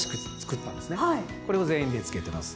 これを全員身に着けてます。